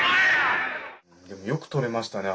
でもよくとれましたね